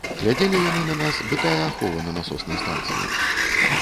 Глядзелі яны на нас бы тая ахова на насоснай станцыі.